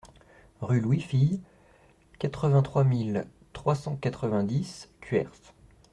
Rue Louis Fille, quatre-vingt-trois mille trois cent quatre-vingt-dix Cuers